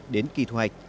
đến kỳ thoại